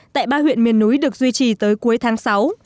tại ba huyện miền núi được duy trì tới cuối tháng sáu